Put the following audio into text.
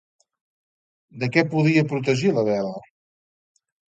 De què podia protegir la vela?